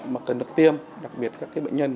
mà cần được tiêm đặc biệt các bệnh nhân